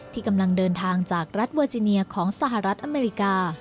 ที่กำลังเดินทางจากรัฐเวอร์จิเนียของสหรัฐอเมริกา